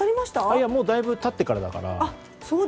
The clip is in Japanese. いや、もうだいぶ経ってからだから。